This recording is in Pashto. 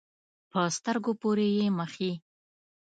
په سترګو پورې یې مښي.